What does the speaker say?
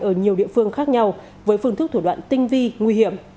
ở nhiều địa phương khác nhau với phương thức thủ đoạn tinh vi nguy hiểm